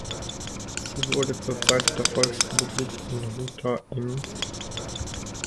Sie wurde zur Zeit der Volksrepublik in "Huta im.